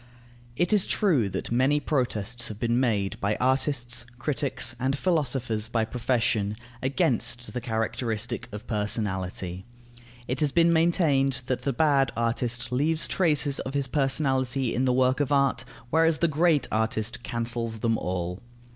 It is true that many protests have been made by artists, critics, and philosophers by profession, against the characteristic of personality. It has been maintained that the bad artist leaves traces of his personality in the work of art, whereas the great artist cancels them all.